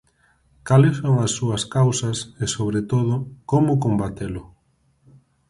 Cales son as súas causas e, sobre todo, como combatelo?